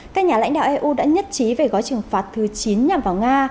các nhà lãnh đạo eu đã nhất trí về gói trừng phạt thứ chín nhằm vào nga